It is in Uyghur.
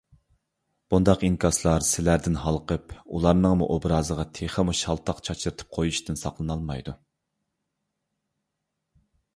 بۇنداق ئىنكاسلار سىلەردىن ھالقىپ ئۇلارنىڭمۇ ئوبرازىغا تېخىمۇ شالتاق چاچرىتىپ قويۇشتىن ساقلىنالمايدۇ.